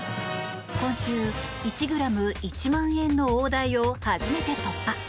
今週、１ｇ＝１万円の大台を初めて突破。